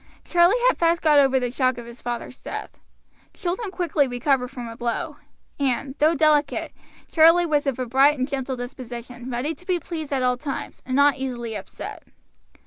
Charlie had fast got over the shock of his father's death; children quickly recover from a blow, and, though delicate, Charlie was of a bright and gentle disposition, ready to be pleased at all times, and not easily upset.